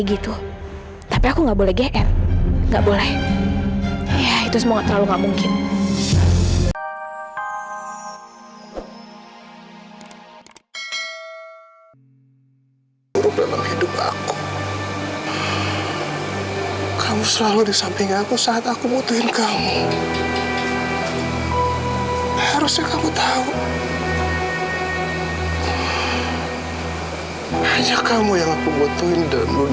itu semua terlalu gak mungkin